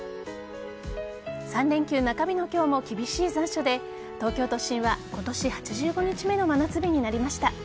３連休中日の今日も厳しい残暑で東京都心は今年８５日目の真夏日になりました。